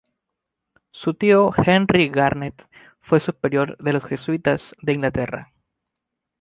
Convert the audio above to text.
Su tío Henry Garnet fue superior de los jesuitas de Inglaterra.